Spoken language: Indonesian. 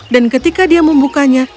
dan ketika dia membukanya